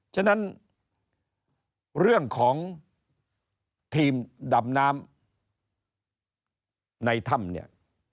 ฉะนั้นเรื่องของทีมดำน้ำในถ้ำเนี่ย